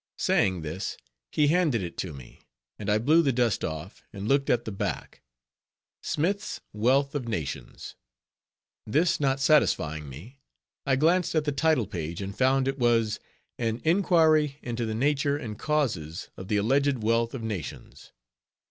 Saying this, he handed it to me, and I blew the dust off, and looked at the back: "Smith's Wealth of Nations." This not satisfying me, I glanced at the title page, and found it was an "Enquiry into the Nature and Causes" of the alleged wealth of nations.